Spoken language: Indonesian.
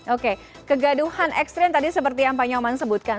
oke kegaduhan ekstrim tadi seperti yang pak nyoman sebutkan